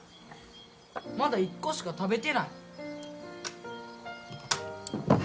まだ１個しか食べてない。